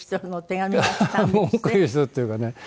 文句言う人っていうかね